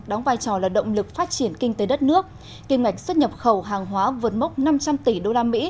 đóng vai trò là động lực phát triển kinh tế đất nước kim ngạch xuất nhập khẩu hàng hóa vượt mốc năm trăm linh tỷ usd